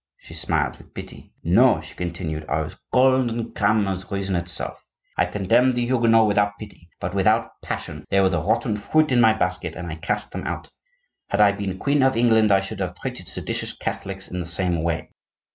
She smiled with pity. 'No,' she continued, 'I was cold and calm as reason itself. I condemned the Huguenots without pity, but without passion; they were the rotten fruit in my basket and I cast them out. Had I been Queen of England, I should have treated seditious Catholics in the same way.